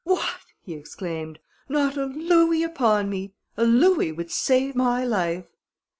"What!" he exclaimed, "not a louis upon me! A louis would save my life."